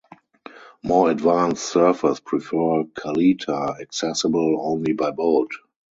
More advanced surfers prefer Caleta, accessible only by boat.